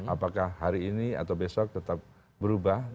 apakah hari ini atau besok tetap berubah